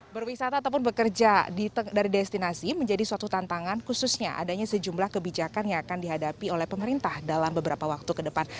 berwisata ataupun bekerja dari destinasi menjadi suatu tantangan khususnya adanya sejumlah kebijakan yang akan dihadapi oleh pemerintah dalam beberapa waktu ke depan